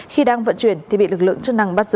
khi đang vận chuyển thì bị lực lượng chức năng bắt giữ